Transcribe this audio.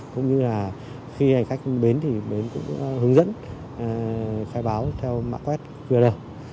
cũng như là khi hành khách đến bến thì bến cũng hướng dẫn khai báo theo mạng quét qr